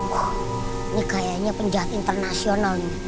wah ini kayaknya penjahat internasional nih